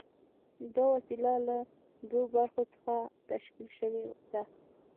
دا وسیله له دوو برخو څخه تشکیل شوې ده.